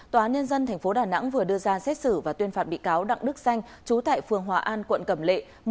tòa án nhân dân tp đà nẵng vừa đưa ra xét xử và tuyên phạt bị cáo đặng đức xanh trú tại phường hòa an quận cẩm lệ